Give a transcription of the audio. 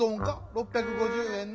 ６５０円の。